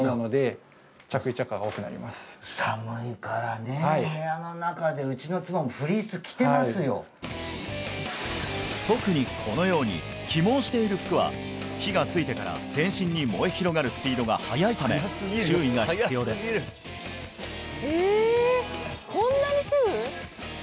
燃えやすいので特にこのように起毛している服は火がついてから全身に燃え広がるスピードが速いため注意が必要ですええ！